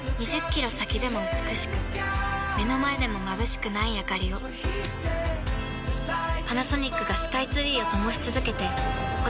２０キロ先でも美しく目の前でもまぶしくないあかりをパナソニックがスカイツリーを灯し続けて今年で１０年